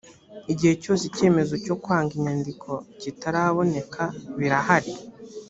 igihe cyose icyemezo cyo kwanga inyandiko kitaraboneka birahari